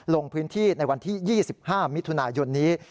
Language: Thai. ลงพื้นที่ในวันที่๒๕มิถุนายนนี้